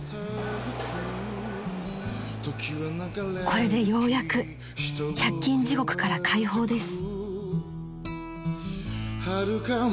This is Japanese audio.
［これでようやく借金地獄から解放です］